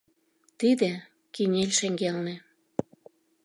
Тиде – Кинель шеҥгелне.